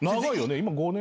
今５年。